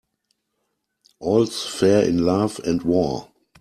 All's fair in love and war.